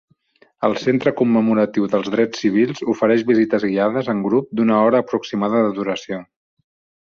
El centre commemoratiu dels drets civils ofereix visites guiades en grup d'una hora aproximada de duració.